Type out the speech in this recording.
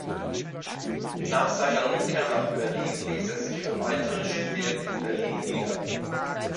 Nach seiner Rückkehr nach Berlin, ließ er sich für weitere Studien in Berlin nieder.